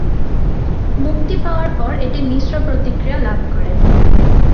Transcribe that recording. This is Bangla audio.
মুক্তি পাওয়ার পর এটি মিশ্র প্রতিক্রিয়া লাভ করে।